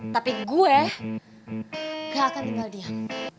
tapi gue gak akan tinggal diam